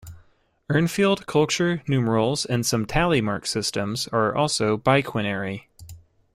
Urnfield culture numerals and some tally mark systems are also biquinary.